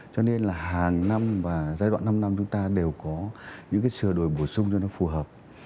cho nên là hàng năm và giai đoạn năm năm chúng ta đều có những cái sửa đổi bổ sung cho nó phù hợp